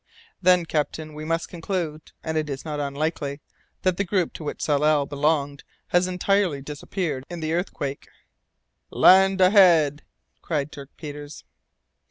"Then, captain, we must conclude and it is not unlikely that the group to which Tsalal belonged has entirely disappeared in the earthquake." "Land ahead!" cried Dirk Peters.